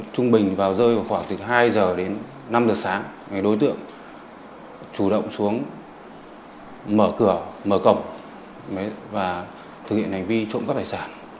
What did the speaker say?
trung bình vào rơi vào khoảng từ hai giờ đến năm giờ sáng đối tượng chủ động xuống mở cửa mở cổng và thực hiện hành vi trộm cắp tài sản